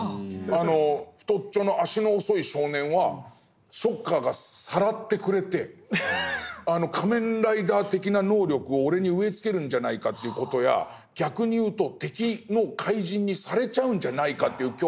太っちょの足の遅い少年はショッカーがさらってくれて仮面ライダー的な能力を俺に植え付けるんじゃないかという事や逆に言うと敵の怪人にされちゃうんじゃないかという恐怖や。